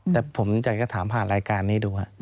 แต่ผมอยากจะถามผ่านรายการนี้ดูครับ